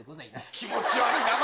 気持ち悪い名前。